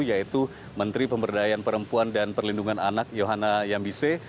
yaitu menteri pemberdayaan perempuan dan perlindungan anak yohana yambise